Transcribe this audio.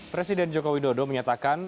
presiden jokowi dodo menyatakan